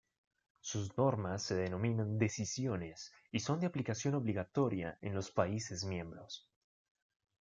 Sus normas se denominan "Decisiones" y son de aplicación obligatoria en los países miembros.